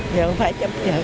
giờ phải chấp nhận